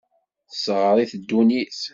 Tesseɣr-it ddunit.